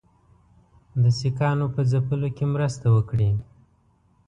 د سیکهانو په ځپلو کې مرسته وکړي.